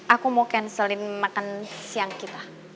aku mau cancelin makan siang kita